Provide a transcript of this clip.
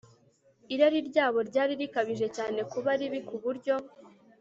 Irari ryabo ryari rikabije cyane kuba ribi ku buryo